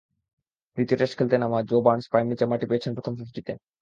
দ্বিতীয় টেস্ট খেলতে নামা জো বার্নস পায়ের নিচে মাটি পেয়েছেন প্রথম ফিফটিতে।